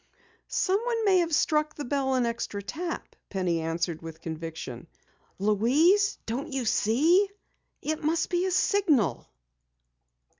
"Someone may have struck the bell an extra tap!" Penny answered with conviction. "Louise, don't you see! It must be a signal!"